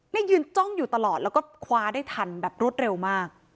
นี่ยืนจ้องอยู่ตลอดแล้วก็คว้าได้ทันแบบรวดเร็วมาก